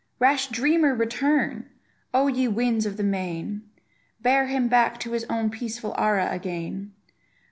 Rash dreamer, return! O, ye winds of the main, Bear him back to his own peaceful Ara again.